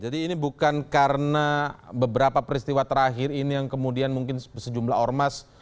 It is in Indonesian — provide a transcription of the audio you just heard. dan karena beberapa peristiwa terakhir ini yang kemudian mungkin sejumlah ormas